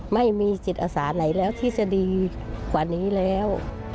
ไม่มีจิตอาสาไหนแล้วที่จะดีกว่านี้แล้ว